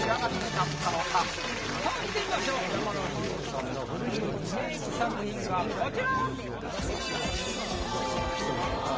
見てみましょう山之内すずさんの古着リメイク作品がこちら！